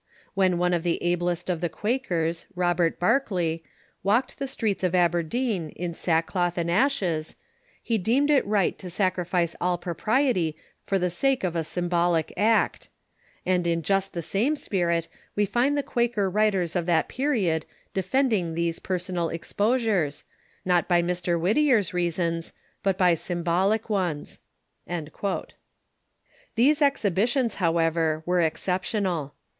When one of the ablest of the Quak ers, Robert Barclay, walked the streets of Aberdeen in sack cloth and ashes, he deemed it right to sacrifice all propriety for the sake of a symbolic act ; and in just the same spirit we find the Quaker writers of that period defending these per sonal exposures, not by Mr. Whittier's reasons, but by sym bolic ones." * These exhibitions, however, were exceptional.